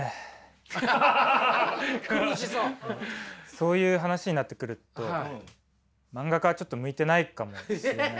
そういう話になってくると漫画家はちょっと向いてないかもしれない。